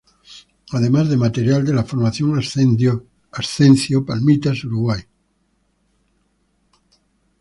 Además de material de la Formación Ascencio, Palmitas, Uruguay.